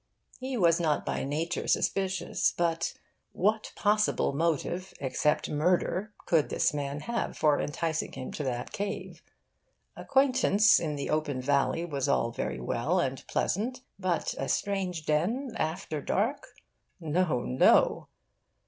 He was not by nature suspicious, but what possible motive, except murder, could this man have for enticing him to that cave? Acquaintance in the open valley was all very well and pleasant, but a strange den after dark no, no!